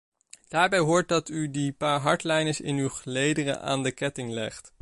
Daarbij hoort dat u die paar hardliners in uw gelederen aan de ketting legt.